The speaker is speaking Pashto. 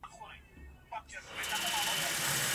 د ارغنداب سیند د غاړو څخه باید قانوني استفاده وسي.